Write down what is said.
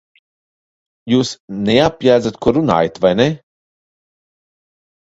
Jūs neapjēdzat, ko runājat, vai ne?